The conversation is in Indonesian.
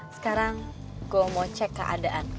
sekarang gue mau cek keadaan